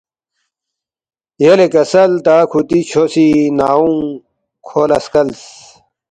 یلے کسل تا کُھوتی چھو سی ناؤنگ کھو لہ سکلس